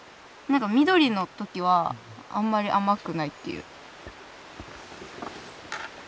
なんか緑の時はあんまり甘くないっていう。